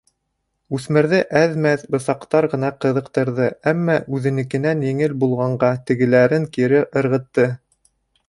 Үҫмерҙе әҙ-мәҙ бысаҡтар ғына ҡыҙыҡтырҙы, әммә үҙенекенән еңел булғанға, тегеләрен кире ырғытты.